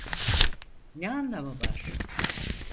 Ne anlamı var?